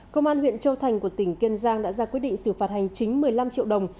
công an huyện châu thành của tỉnh kiên giang đã ra quyết định xử phạt hành chính một mươi năm triệu đồng